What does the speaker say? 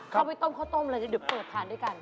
เข้าไปต้มเข้าต้มแล้วจะดึบตัวทานด้วยกัน